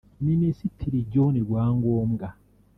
Minisitiri John Rwangombwa